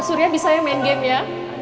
surya bisa yang main game ya